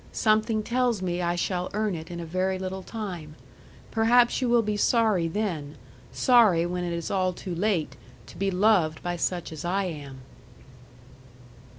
Something tells me I shall earn it in a very little time. Perhaps you will be sorry then, sorry when it is all too late, to be loved by such as I am.'